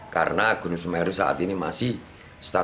karena gunung semeru saat ini masih stabil